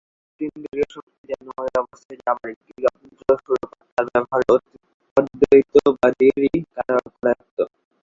অতীন্দ্রিয় শক্তি যেন ঐ অবস্থায় যাবার একটি যন্ত্রস্বরূপ, আর তার ব্যবহার অদ্বৈতবাদীরই করায়ত্ত।